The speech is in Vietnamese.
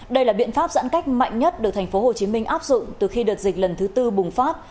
đây là biện pháp giãn cách mạnh nhất được tp hcm áp dụng từ khi đợt dịch lần thứ tư bùng phát